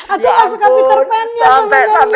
aku gak suka peter pan nya sama wendy nya